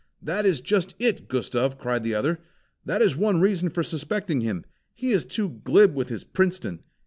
"That is just it, Gustav!" cried the other. "That is one reason for suspecting him. He is too glib with his Princeton.